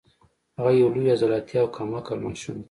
هغه یو لوی عضلاتي او کم عقل ماشوم دی